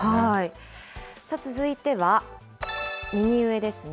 続いては右上ですね。